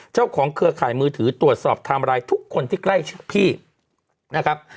เจ้าของเครื่องขายมือถือตรวจสอบทำอะไรทุกคนที่ใกล้พี่นะครับ